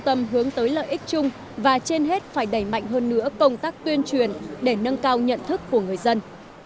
tâm hướng tới lợi ích chung và trên hết phải đẩy mạnh hơn nữa công tác tuyên truyền để nâng cao nhận thức của người dân